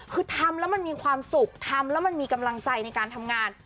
คือทำแล้วมันมีความสุขทำแล้วมันมีกำลังใจในการทำงาน